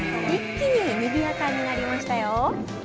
一気ににぎやかになりましたよ。